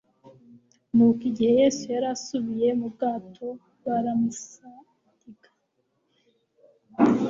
Nuko igihe Yesu yari asubiye mu bwato baramusariga,